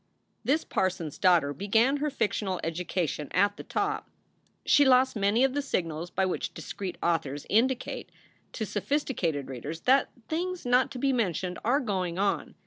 This parson s daughter began her fictional education at the top. She lost many of the signals by which discreet authors indicate to sophisticated readers that things not to be mentioned are going on.